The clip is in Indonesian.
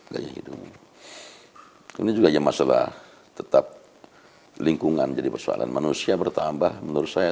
gaya hidup ini juga masalah tetap lingkungan jadi persoalan manusia bertambah menurut saya